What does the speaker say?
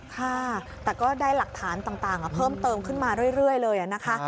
ค่ะแต่ก็ได้หลักฐานต่างเพิ่มเติมขึ้นมาเรื่อยเลยนะคะ